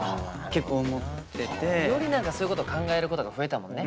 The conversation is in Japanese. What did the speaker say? より何かそういうことを考えることが増えたもんね